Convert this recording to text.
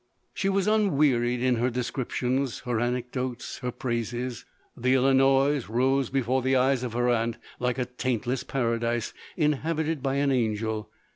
She was un wearied in her descriptions, her anecdotes, her praises. The Illinois rose before the eyes of her aunt, like a taintless paradise, inhabited by an angel.